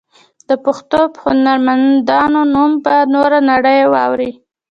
د پښتو هنرمندانو نوم به نوره نړۍ واوري.